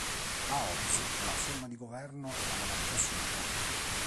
A Oz la forma di governo è la monarchia assoluta.